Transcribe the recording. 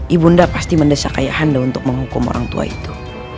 ibu nda pasti mendesak kaya handa untuk menghukum orang tua itu